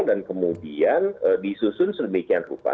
dan kemudian disusun sedemikian rupa